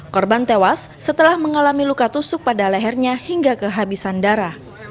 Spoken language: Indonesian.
korban tewas setelah mengalami luka tusuk pada lehernya hingga kehabisan darah